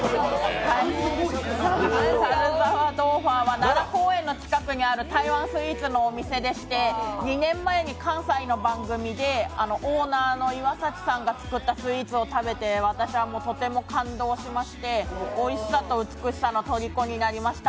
猿沢豆花は奈良公園の近くにある台湾スイーツのお店でして、２年前に関西の番組でオーナーの岩崎さんが作ったスイーツを食べてとても感動しましておいしさつ美しさのとりこになりました。